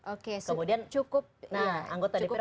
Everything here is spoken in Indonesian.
oke cukup ada apresiasi ya